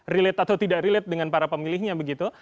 relate atau tidak relate dengan para pemilihnya begitu